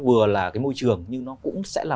vừa là cái môi trường nhưng nó cũng sẽ là